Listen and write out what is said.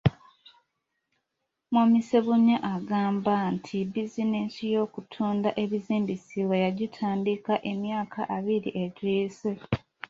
Mwami Ssebunya agamba nti bizinensi y’okutunda ebizimbisibwa yagitandika emyaka abiri egiyise.